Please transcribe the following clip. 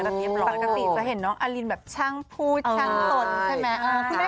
ปกติจะเห็นน้องอลินแบบช่างพูดช่างตนใช่ไหม